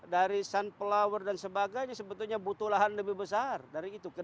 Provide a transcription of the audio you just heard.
dari sunflower dan sebagainya sebetulnya butuh lahan lebih besar dari itu